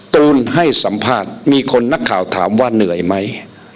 ตูนให้สัมภาษณ์มีคนนักข่าวถามว่าเหนื่อยไหม